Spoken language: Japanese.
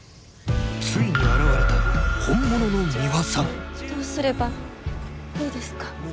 ついに現れた本物の「ミワさん」どうすればいいですか？